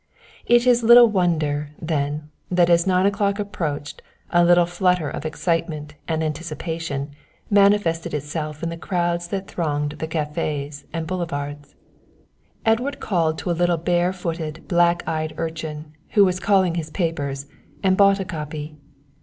It is little wonder, then, that as nine o'clock approached a little flutter of excitement and anticipation manifested itself in the crowds that thronged the cafés and boulevards. Edward called to a little bare footed, black eyed urchin, who was calling his papers, and bought a copy.